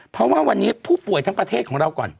เพราะว่าวันนี้ผู้ป่วยทั้งประเทศของเราก่อน